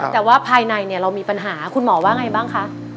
แต่ว่าภายในเรามีปัญหาคุณหมอว่าไงบ้างคะ